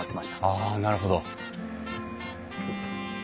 あなるほど。